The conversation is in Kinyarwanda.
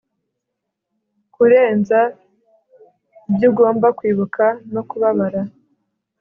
Kurenza ibyo ugomba kwibuka no kubabara